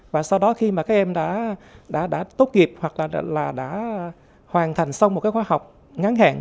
và sau đó khi mà các em đã tốt nghiệp hoặc là đã hoàn thành xong một cái khóa học ngắn hạn